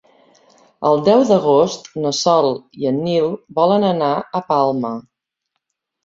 El deu d'agost na Sol i en Nil volen anar a Palma.